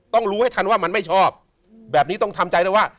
รู้ให้ทันว่ามันไม่ชอบแบบนี้ต้องทำใจได้ว่า